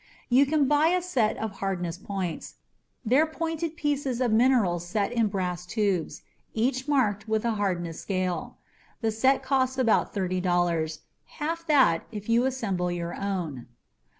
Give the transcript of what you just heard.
You can buy a set of hardness points. They're pointed pieces of minerals set in brass tubes, each marked with its hardness scale. The set costs about $30 (half that if you assemble your own).